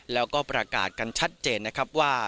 แล้วก็ประกาศกันชัดเจนนะครับว่า